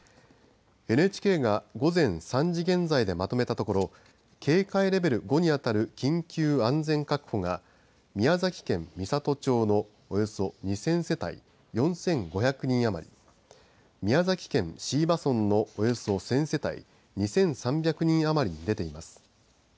ＮＨＫが午前３時現在でまとめたところ警戒レベル５に当たる緊急安全確保が宮崎県美郷町のおよそ２０００世帯４５００人余り宮崎県椎葉村のおよそ１０００世帯２３００人余りに出ています。